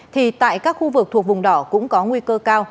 thì tại các khu vực thuộc vùng đỏ cũng có nguy cơ cao